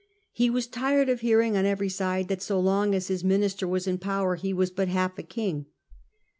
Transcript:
He was tired of hearing on every side that so long as his minister was in power he was but half a King.